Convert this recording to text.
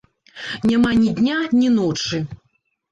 Няма ні дня, ні ночы!